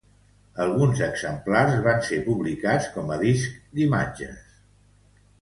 Alguns exemplars van ser publicats com a disc d'imatges.